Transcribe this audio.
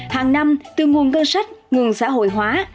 hàng năm từ nguồn cơ sách nguồn xã hội hóa